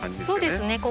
そうですね。